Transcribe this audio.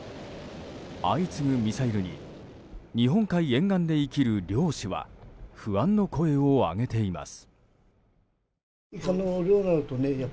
相次ぐミサイルに日本海沿岸で生きる漁師は不安の声を上げています。